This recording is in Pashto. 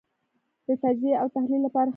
د تجزیې او تحلیل لپاره ښه دی.